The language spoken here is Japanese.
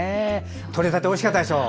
とれたて、おいしかったでしょ。